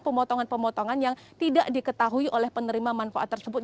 pemotongan pemotongan yang tidak diketahui oleh penerima manfaat tersebut